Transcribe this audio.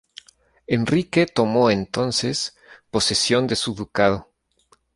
Enrique tomó entonces posesión de su ducado.